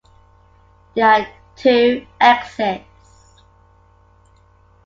There are two exits.